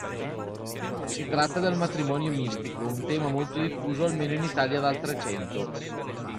Si tratta del matrimonio mistico, un tema molto diffuso almeno in Italia dal Trecento.